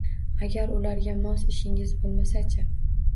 Agar ularga mos ishingiz bo‘lmasa-chi.